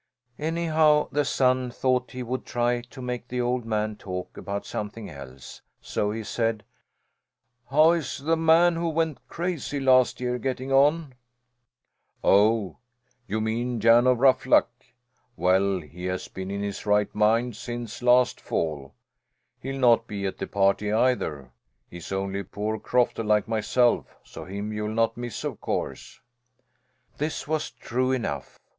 Anyhow, the son thought he would try to make the old man talk about something else. So he said: "How is the man who went crazy last year getting on?" "Oh, you mean Jan of Ruffluck! Well, he has been in his right mind since last fall. He'll not be at the party, either. He's only a poor crofter like myself; so him you'll not miss, of course." This was true enough.